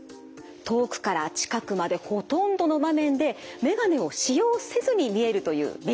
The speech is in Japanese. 遠くから近くまでほとんどの場面で眼鏡を使用せずに見えるというメリットがあります。